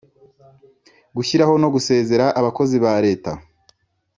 gushyiraho no gusezerera abakozi ba reta